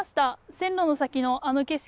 線路の先のあの景色。